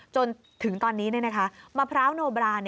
จนถึงตอนนี้มะพร้าวโนบรา